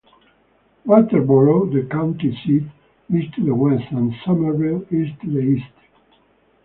Walterboro, the county seat, is to the west, and Summerville is to the east.